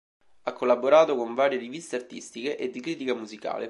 Ha collaborato con varie riviste artistiche e di critica musicale.